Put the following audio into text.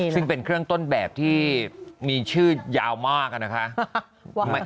ซึ่งเป็นเครื่องต้นแบบที่มีชื่อยาวมากนะคะ